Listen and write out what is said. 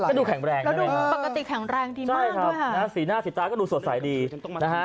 แล้วดูแข็งแรงดีมากด้วยครับสีหน้าสีตาดูสดใสดีนะฮะ